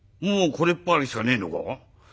もうこれっぱかりしかねえのか？